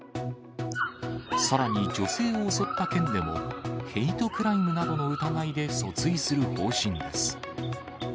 さらに、女性を襲った件でも、ヘイトクライムなどの疑いで訴追する方針です。